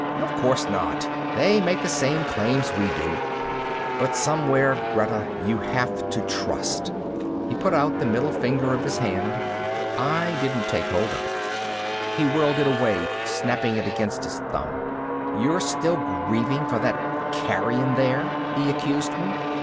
"Of course not! They make the same claims we do. But somewhere, Greta, you have to trust." He put out the middle finger of his hand. I didn't take hold of it. He whirled it away, snapping it against his thumb. "You're still grieving for that carrion there!" he accused me.